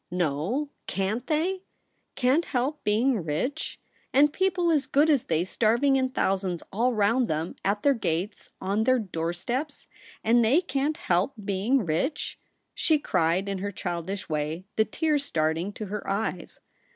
* No, can't they ? Can't help being rich ! And people as good as they starving in thou sands all round them, at their gates, on their doorsteps. And they can't help being rich T she cried, in her childish way, the tears start ing to her eyes.